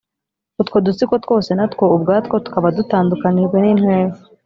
utwo dutsiko twose natwo ubwatwo tukaba dutandukanijwe n'intera.